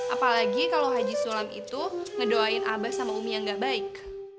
apalagi kalau haji sulam itu ngedoain abah sama umi yang gak baik